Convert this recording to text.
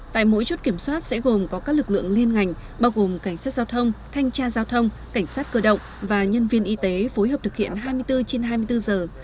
tại mỗi chốt kiểm soát sẽ gồm có các lực lượng liên ngành bao gồm cảnh sát giao thông thanh tra giao thông cảnh sát cơ động và nhân viên y tế phối hợp thực hiện hai mươi bốn trên hai mươi bốn giờ